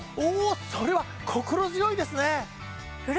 それは心強いですね！